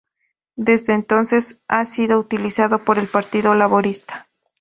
Desde entonces ha sido utilizado por el Partido Laborista.